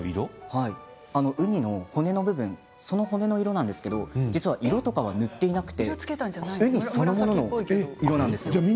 ウニの骨の部分のその色なんですが色は塗っていなくてウニそのものの色なんです。